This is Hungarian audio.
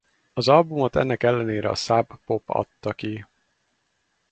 Az albumot ennek ellenére a Sub Pop adta ki.